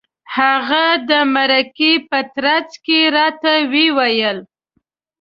هغه د مرکې په ترڅ کې راته وویل.